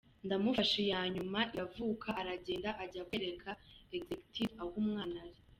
ndamufasha iyanyuma iravuka, aragenda ajya kwereka Exectif aho umwana ari.